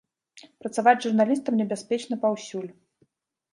Працаваць журналістам небяспечна паўсюль.